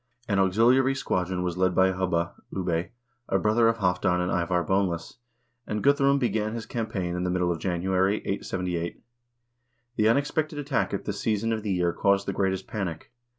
An auxiliary squadron was led by Hubba (Ubbe), a brother of Halvdan and Ivar Boneless, and Guthrum began his campaign in the middle of Janu ary, 878. The unexpected attack at this season of the year caused the greatest panic.